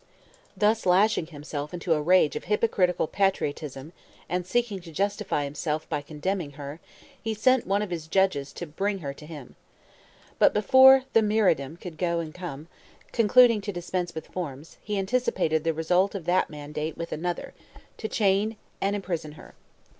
Thus lashing himself into a rage of hypocritical patriotism, and seeking to justify himself by condemning her, he sent one of his judges to bring her to him. But before the myrmidon could go and come, concluding to dispense with forms, he anticipated the result of that mandate with another, to chain and imprison her.